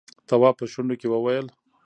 تواب په شونډو کې وويل: